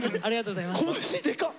拳でかっ！